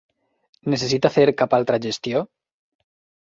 Necessita fer cap altra gestió?